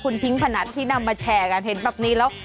คุณพิงพนัทที่นำมาแชร์กันเห็นแบบนี้แล้ว